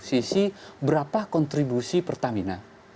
sisi berapa kontribusi pertamina